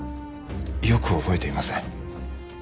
よく覚えていません。